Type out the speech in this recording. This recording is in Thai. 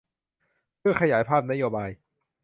เพื่อขยายภาพนโยบาย